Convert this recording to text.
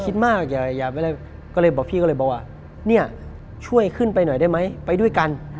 คิดมากอย่าไม่ได้ก็เลยบอกพี่ก็เลยบอกว่าเนี่ยช่วยขึ้นไปหน่อยได้ไหมไปด้วยกัน